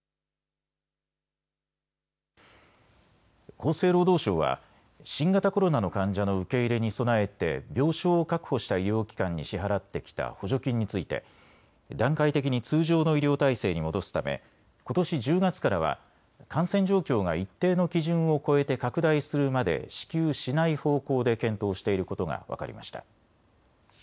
厚生労働省は新型コロナの患者の受け入れに備えて病床を確保した医療機関に支払ってきた補助金について段階的に通常の医療体制に戻すため、ことし１０月からは感染状況が一定の基準を超えて拡大するまで支給しない方向で検討していることが分かりました。